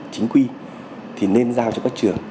chính quy thì nên giao cho các trường